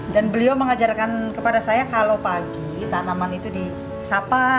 dan beliau mengajarkan kepada saya kalau pagi tanaman itu disapa